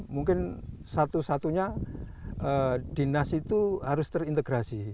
mungkin satu satunya dinas itu harus terintegrasi